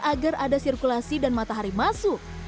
agar ada sirkulasi dan matahari masuk